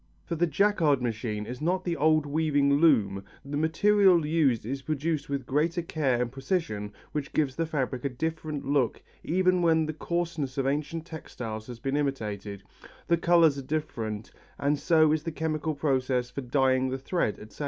For the Jaquard machine is not the old weaving loom, the material used is produced with greater care and precision which gives the fabric a different look even when the coarseness of ancient textiles has been imitated, the colours are different and so is the chemical process for dyeing the thread, etc.